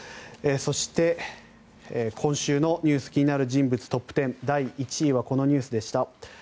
そして、今週のニュース気になる人物トップ１０第１位はこのニュースでした。